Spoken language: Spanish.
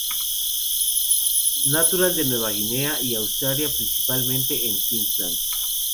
Natural de Nueva Guinea y Australia principalmente en Queensland.